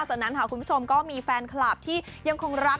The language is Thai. จากนั้นค่ะคุณผู้ชมก็มีแฟนคลับที่ยังคงรัก